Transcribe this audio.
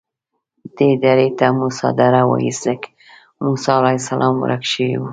دې درې ته موسی دره وایي ځکه موسی علیه السلام ورک شوی و.